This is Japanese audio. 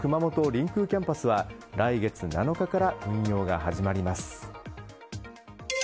臨空キャンパスは来月７日から運用が始まります。